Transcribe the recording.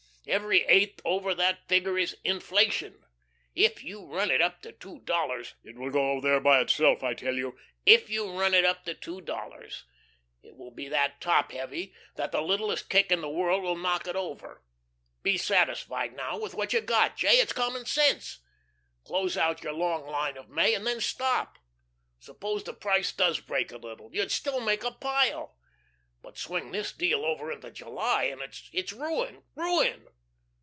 Every eighth over that figure is inflation. If you run it up to two dollars " "It will go there of itself, I tell you." " if you run it up to two dollars, it will be that top heavy, that the littlest kick in the world will knock it over. Be satisfied now with what you got. J., it's common sense. Close out your long line of May, and then stop. Suppose the price does break a little, you'd still make your pile. But swing this deal over into July, and it's ruin, ruin.